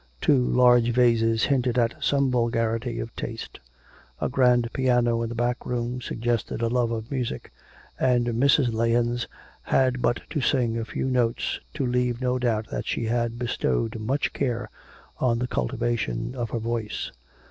Two large vases hinted at some vulgarity of taste; a grand piano in the back room suggested a love of music, and Mrs. Lahens had but to sing a few notes to leave no doubt that she had bestowed much care on the cultivation of her voice.